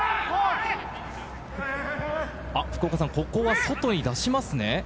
ここは外に出しますね。